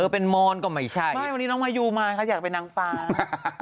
เป็นมอนก็ไม่ใช่ไม่วันนี้น้องมายูมานะคะอยากเป็นนางฟ้า